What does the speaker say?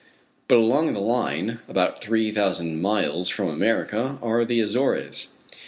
But along the line, about three thousand miles from America, are the Azores.